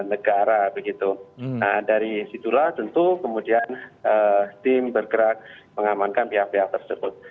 nah dari situlah tentu kemudian tim bergerak mengamankan pihak pihak tersebut